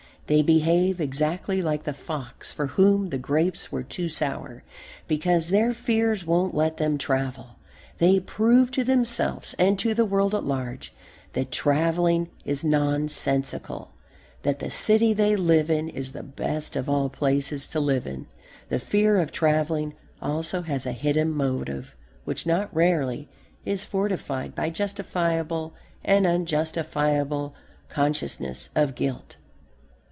They behave exactly like the fox for whom the grapes were too sour. Because their fears won't let them travel they prove to themselves and to the world at large that travelling is nonsensical, that the city they live in is the best of all places to live in. The fear of travelling also has a hidden motive which not rarely is fortified by justifiable and unjustifiable consciousness of guilt.